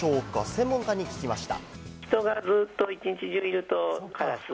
専門家に聞きました。